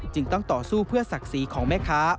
ต้องต่อสู้เพื่อศักดิ์ศรีของแม่ค้า